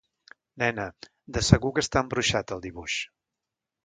Nena, de segur que està embruixat el dibuix.